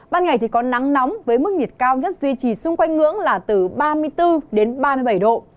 ban ngày thì có nắng nóng với mức nhiệt cao nhất duy trì xung quanh ngưỡng là từ ba mươi bốn đến ba mươi bảy độ